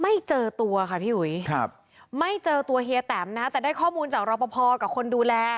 ไม่เจอตัวค่ะพี่อุ๋ยครับไม่เจอตัวเฮียแตมนะฮะแต่ได้ข้อมูลจากรอปภกับคนดูแล